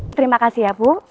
terima kasih ya bu